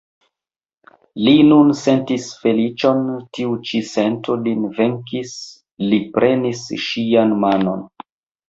Li nun sentis feliĉon, tiu ĉi sento lin venkis, li prenis ŝian manon.